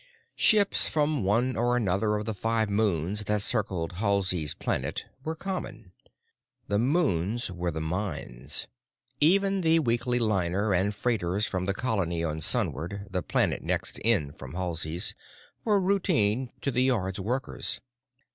Ships from one or another of the five moons that circled Halsey's planet were common; the moons were the mines. Even the weekly liner and freighters from the colony on Sunward, the planet next in from Halsey's, were routine to the Yards workers.